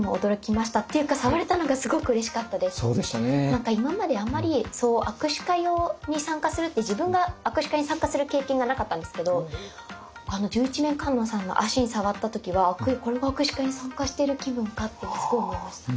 何か今まであんまり握手会に参加するって自分が握手会に参加する経験がなかったんですけど十一面観音さんの足に触った時は「これが握手会に参加してる気分か」ってすごい思いました。